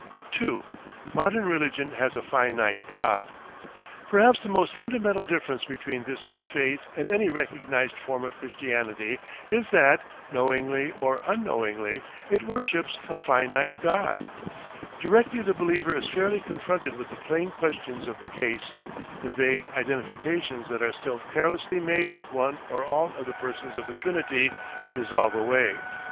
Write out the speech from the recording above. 2. MODERN RELIGION HAS A FINITE GOD Perhaps the most fundamental difference between this new faith and any recognised form of Christianity is that, knowingly or unknowingly, it worships A FINITE GOD. Directly the believer is fairly confronted with the plain questions of the case, the vague identifications that are still carelessly made with one or all of the persons of the Trinity dissolve away.